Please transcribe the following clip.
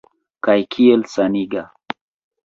Kaj kiel saniga!